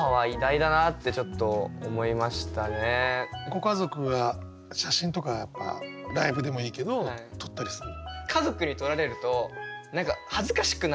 ご家族は写真とかライブでもいいけど撮ったりするの？